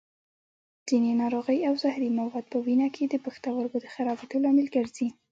ځینې ناروغۍ او زهري مواد په وینه کې د پښتورګو د خرابېدو لامل ګرځي.